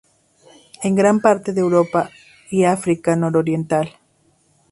En gran parte de Europa y África nororiental.